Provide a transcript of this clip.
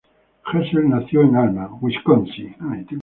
Gesell nació en Alma, Wisconsin.